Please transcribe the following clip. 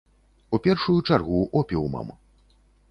У першую чаргу опіумам.